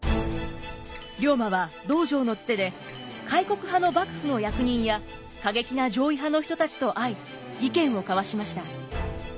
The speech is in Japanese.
龍馬は道場のツテで開国派の幕府の役人や過激な攘夷派の人たちと会い意見を交わしました。